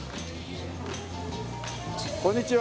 こんにちは。